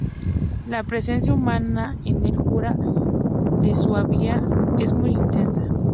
La presencia humana en el Jura de Suabia es muy intensa.